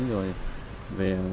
rồi về con